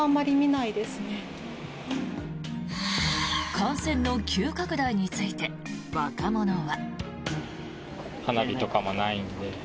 感染の急拡大について若者は。